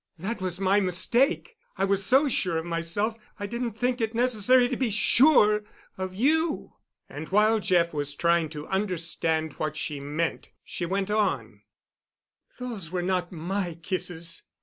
"That was my mistake. I was so sure of myself that I didn't think it necessary to be sure of you." And while Jeff was trying to understand what she meant, she went on: "Those were not my kisses.